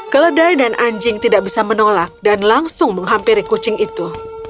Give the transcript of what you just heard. keledai dan anjing tidak bisa menolak dan langsung menghampiri kucing itu